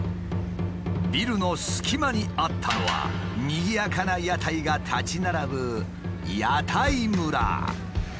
ビルの隙間にあったのはにぎやかな屋台が立ち並ぶ屋台村。